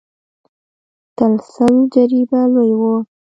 تر سل جريبه لوى و.